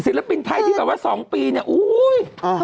ศิลปินไทยที่แบบว่า๒ปีเนี่ยโอ้โฮ